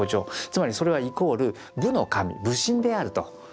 つまりそれはイコール武の神武神であると。